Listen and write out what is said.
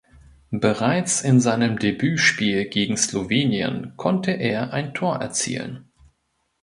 Bereits in seinem Debütspiel gegen Slowenien konnte er ein Tor erzielen.